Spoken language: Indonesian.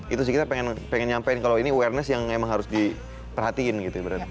itu sih kita pengen nyampein kalau ini awareness yang emang harus diperhatiin gitu berarti